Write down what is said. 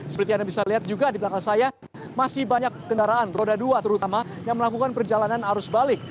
seperti yang anda bisa lihat juga di belakang saya masih banyak kendaraan roda dua terutama yang melakukan perjalanan arus balik